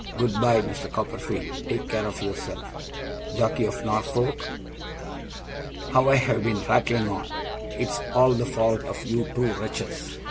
Good bye, Mr. Copperfield! Take care of yourself, jockey of Norfolk! How I have been rattling on! It's all the fault of you two wretches.